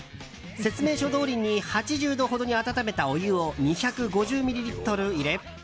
説明書どおりに８０度ほどに温めたお湯を２５０ミリリットル入れ。